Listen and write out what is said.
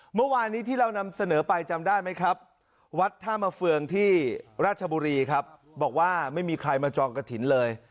เมื่อวานที่ถ้ามาฟืองที่ราชบุรีบอกว่าไม่มีใครมาจองกระถิญ